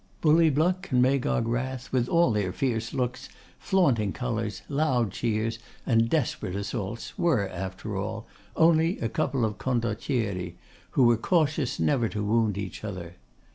Bully Bluck and Magog Wrath, with all their fierce looks, flaunting colours, loud cheers, and desperate assaults, were, after all, only a couple of Condottieri, who were cautious never to wound each other.